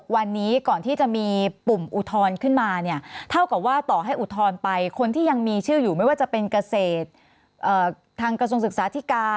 วันนี้ก่อนที่จะมีปุ่มอุทธรณ์ขึ้นมาเนี่ยเท่ากับว่าต่อให้อุทธรณ์ไปคนที่ยังมีชื่ออยู่ไม่ว่าจะเป็นเกษตรทางกระทรวงศึกษาธิการ